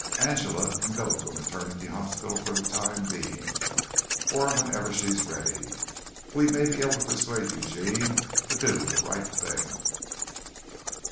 Angela can go to a maternity hospital for the time being, or whenever she's ready. We may be able to persuade Eugene to do the right thing."